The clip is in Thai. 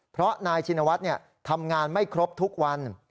เพราะนายชินวัฒน์ทำงานไม่ครบทุกวัน